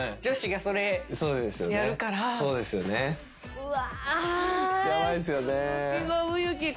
うわ。